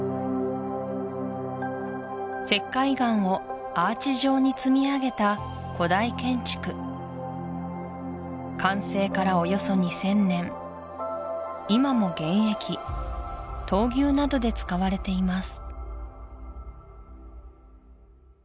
石灰岩をアーチ状に積み上げた古代建築完成からおよそ２０００年今も現役闘牛などで使われています